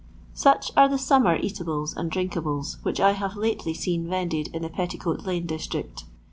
Such are the summer eatables and drinkables which I have lately seen vended in the Petticoat lane district.